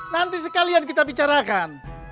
nanti sekalian kita bicarakan